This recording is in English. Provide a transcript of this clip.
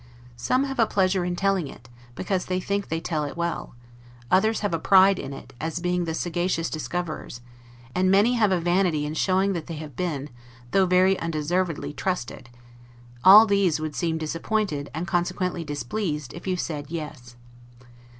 Some have a pleasure in telling it, because they think that they tell it well; others have a pride in it, as being the sagacious discoverers; and many have a vanity in showing that they have been, though very undeservedly, trusted; all these would be disappointed, and consequently displeased, if you said Yes.